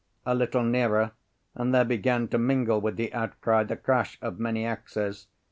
A little nearer, and there began to mingle with the outcry the crash of many axes.